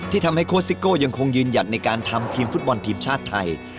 ทำให้โคสิโก้ยังคงยืนหยัดในการทำทีมฟุตบอลทีมชาติไทย